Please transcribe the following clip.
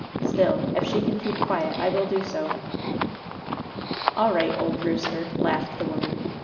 Still, if she can keep quiet, I will do so." "All right, old rooster!" laughed the woman.